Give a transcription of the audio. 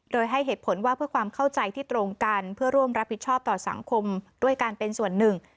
โดยให้เหตุผลว่าเพื่อความเข้าใจที่ตรงกันเพื่อร่วมรับผิดชอบต่อสังคมด้วยการเป็นส่วนหนึ่ง